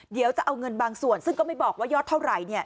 เดี๋ยวจะเอาเงินบางส่วนซึ่งก็ไม่บอกว่ายอดเท่าไหร่